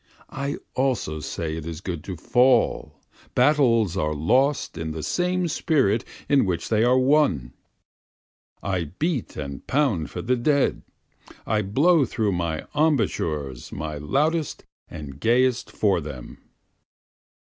I also say it is good to fall, battles are lost in the same spirit in which they are won. I beat and pound for the dead, I blow through my embouchures my loudest and gayest for them.